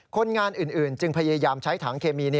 คนงานอื่นจึงพยายามใช้ถังเคมี